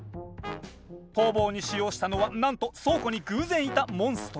逃亡に使用したのはなんと倉庫に偶然いたモンストロ。